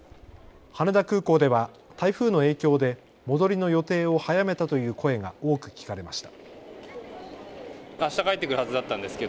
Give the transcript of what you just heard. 羽田空港では台風の影響で戻りの予定を早めたという声が多く聞かれました。